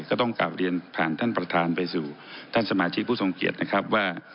ก็ต้องกลับเรียนผ่านท่านประธานไปสู่ท่านสมาชิกผู้ทรงเกียจนะครับว่า